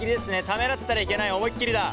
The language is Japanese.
ためらったらいけない思いっきりだ。